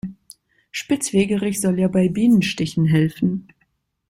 Spitzwegerich soll ja bei Bienenstichen helfen.